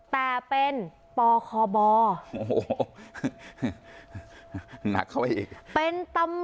แต่เป็น